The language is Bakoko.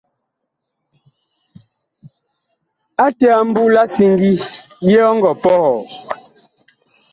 Ate a mbu la siŋgi, yee ɔ ngɔ pɔhɔɔ ?